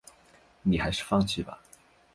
你还是放弃吧